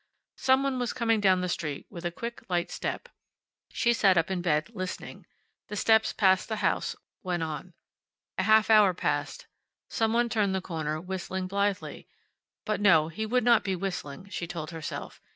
Some one was coming down the street with a quick, light step. She sat up in bed, listening. The steps passed the house, went on. A half hour passed. Some one turned the corner, whistling blithely. But, no, he would not be whistling, she told herself.